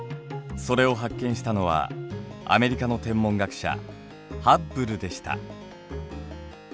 それを発見したのはアメリカの天文学者ハッブルでした。